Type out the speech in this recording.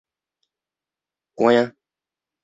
關了